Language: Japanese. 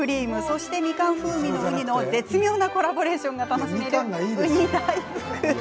そして、みかん風味のウニの絶妙なコラボレーションが楽しめる、うに大福。